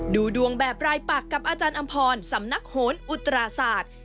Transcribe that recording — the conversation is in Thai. ดูดวงแบบรายปักกับอาจารย์อำพรสำนักโหนอุตราศาสตร์